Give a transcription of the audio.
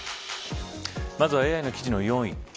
まずはＡＩの記事の４位。